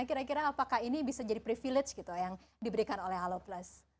kira kira apakah ini bisa jadi privilege gitu yang diberikan oleh alo plus